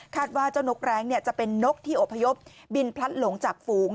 ว่าเจ้านกแรงจะเป็นนกที่อพยพบินพลัดหลงจากฝูง